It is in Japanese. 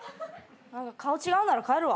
顔違うなら帰るわ。